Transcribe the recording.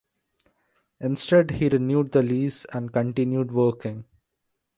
Instead he renewed the lease and continued working.